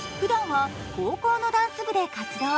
ふだんは高校のダンス部で活動。